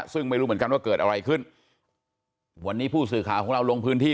ซึ่งไม่รู้เหมือนกันว่าเกิดอะไรขึ้นวันนี้ผู้สื่อข่าวของเราลงพื้นที่